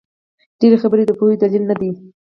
ډېري خبري د پوهي دلیل نه دئ.